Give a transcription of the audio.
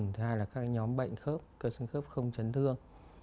thứ hai là các nhóm bệnh cơ sương khớp không chấn thương